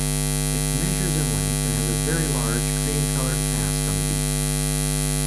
It measures in length, and has a very large cream-colored casque on the beak.